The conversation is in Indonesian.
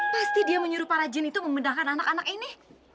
pasti dia menyuruh para jin itu memindahkan anak anak ini